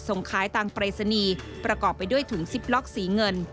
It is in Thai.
ส่งขายตามปรายศนีย์ประกอบไปด้วยถุงซิปล็อกสีเงิน